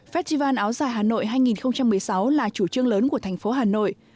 festival áo dài hà nội hai nghìn một mươi sáu là chủ trương lớn của thành phố hà nội